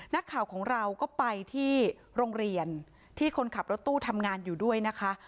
นักข่าวของเราก็ไปที่โรงเรียนที่คนขับรถตู้ทำงานอยู่ด้วยนะคะ